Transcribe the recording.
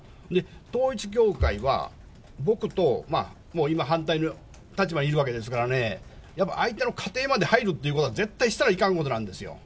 統一教会は、僕と、今、反対の立場にいるわけですからね、やっぱ相手の家庭まで入るってことは、絶対したらいかんことなんですよ。